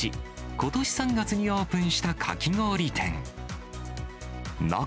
ことし３月にオープンしたかき氷店。